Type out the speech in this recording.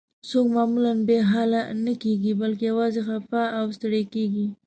څوک معمولاً بې حاله نه کیږي، بلکې یوازې خفه او ستړي کیږي.